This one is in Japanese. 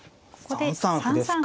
３三歩ですか。